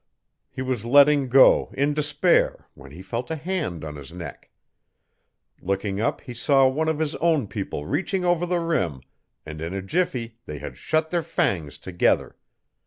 He was letting go, in despair, when he felt a hand on his neck. Looking up he saw one of his own people reaching over the rim, and in a jiffy they had shut their fangs together.